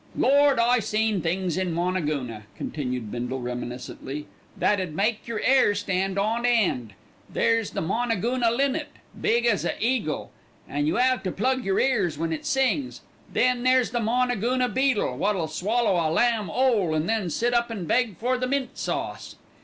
"Lord, I seen things in Moonagoona," continued Bindle reminiscently, "that 'ud make yer 'air stand on end. There's the Moonagoona linnet, big as an eagle, and you 'ave to plug yer ears when it sings. Then there's the Moonagoona beetle, wot'll swallow a lamb 'ole, an' then sit up an' beg for the mint sauce.